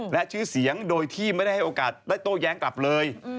และชื่อเสียงโดยที่ไม่ได้ให้โอกาสได้โต้แย้งกลับเลย